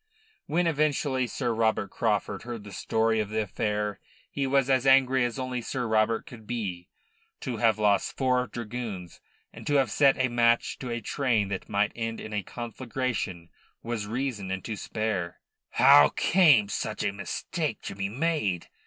When eventually Sir Robert Craufurd heard the story of the affair, he was as angry as only Sir Robert could be. To have lost four dragoons and to have set a match to a train that might end in a conflagration was reason and to spare. "How came such a mistake to be made?"